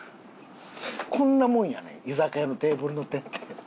こんなもんやねん居酒屋のテーブルの手って。